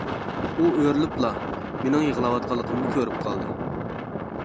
ئۇ ئۆرۈلۈپلا، مېنىڭ يىغلاۋاتقانلىقىمنى كۆرۈپ قالدى.